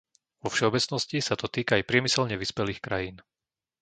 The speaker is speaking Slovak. Vo všeobecnosti sa to týka aj priemyselne vyspelých krajín.